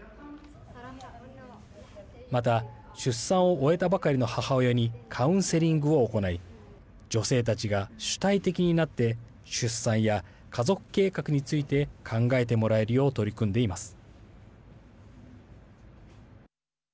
また、出産を終えたばかりの母親にカウンセリングを行い女性たちが主体的になって出産や家族計画について考えてもらえるよう取り組んでいます。